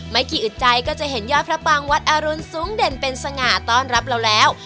ไม่กี่อึดใจก็จะเห็นยอดพระปางวัดอรุณสูงเด่นเป็นสง่าต้อนรับเราแล้ว